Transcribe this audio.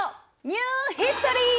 ニューヒストリー！